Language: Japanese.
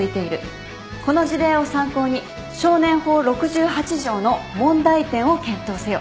この事例を参考に少年法６８条の問題点を検討せよ。